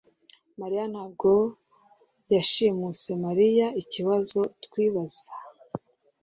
mariya ntabwo yashimuse Mariya ikibazo twibaza